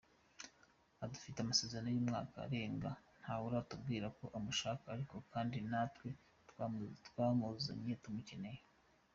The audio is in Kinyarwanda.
Adufitiye amasezerano y’umwaka urenga, ntawuratubwira ko amushaka ariko kandi natwe twamuzanye tumukeneye.